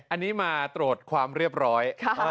อันนี้มาตรวจความเรียบร้อย